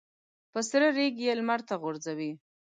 په سره ریګ یې لمر ته غورځوي.